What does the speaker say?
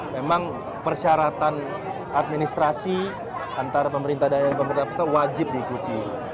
memang persyaratan administrasi antara pemerintah dan pemerintah pusat wajib diikuti